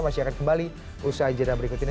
masih akan kembali usaha jadwal berikut ini